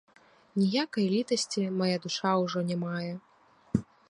Ніякай літасці мая душа ўжо не мае.